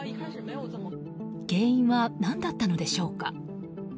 原因は何だったのでしょうか。